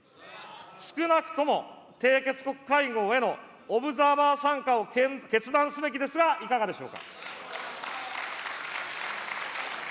少なくとも、締結国会合へのオブザーバー参加を決断すべきですが、いかがでしょうか。